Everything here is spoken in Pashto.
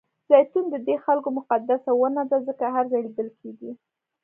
زیتون ددې خلکو مقدسه ونه ده ځکه هر ځای لیدل کېږي.